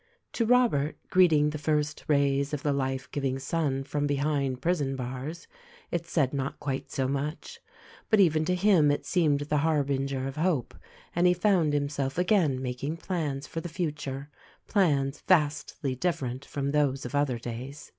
To Robert, greeting the first rays of the life giving sun from behind prison bars, it said not quite so much ; but even to him it seemed the harbinger of hope, and he found himself again making plans for the future — plans vastly different from those of other days.